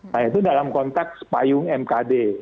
nah itu dalam konteks payung mkd